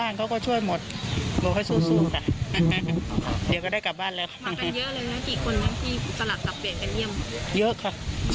เยอะค่ะชื่อไหมว่าศาสตร์จะให้ประกันตัวค่ะ